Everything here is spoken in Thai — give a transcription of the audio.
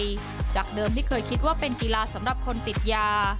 แตกต่างออกไปจากเดิมที่เคยคิดว่าเป็นกิราศสำหรับคนติดยา